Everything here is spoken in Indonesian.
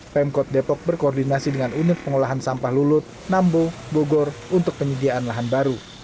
pemkot depok berkoordinasi dengan unit pengolahan sampah lulut nambo bogor untuk penyediaan lahan baru